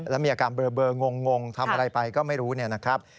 แล้วมีอาการเบลองงทำอะไรไปก็ไม่รู้เนี่ยนะครับ